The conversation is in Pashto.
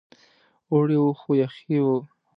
اوړی و خو یخې وې.